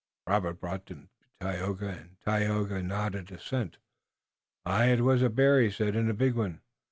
Robert brought them to him and Tayoga nodded assent. "Aye, it was a bear," he said, "and a big one."